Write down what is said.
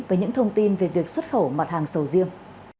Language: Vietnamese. với những thông tin về việc xuất khẩu mặt hàng sầu riêng